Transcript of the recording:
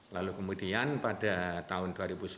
lalu kemudian pada tahun dua ribu sembilan belas